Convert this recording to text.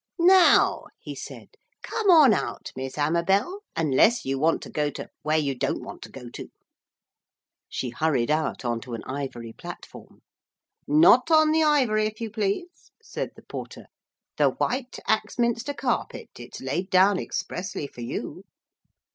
'Now!' he said, 'come on out, Miss Amabel, unless you want to go to Whereyoudon'twantogoto.' She hurried out, on to an ivory platform. 'Not on the ivory, if you please,' said the porter, 'the white Axminster carpet it's laid down expressly for you.'